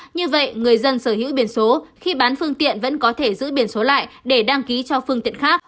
như vậy người dân sở hữu biển số khi bán phương tiện vẫn có thể giữ biển số lại để đăng ký cho phương tiện khác